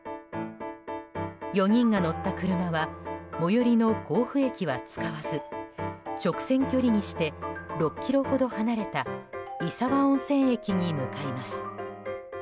４人が乗った車は最寄りの甲府駅は使わず直線距離にして６ｋｍほど離れた石和温泉駅に向かいます。